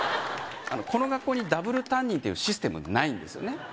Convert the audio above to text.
この学校にダブル担任というシステムないんですよね